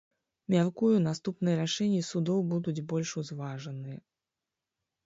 Мяркую, наступныя рашэнні судоў будуць больш узважаныя.